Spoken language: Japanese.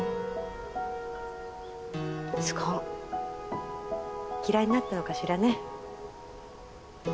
スコーン嫌いになったのかしらね。